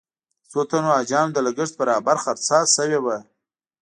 د څو تنو حاجیانو د لګښت برابر خرچه شوې وي.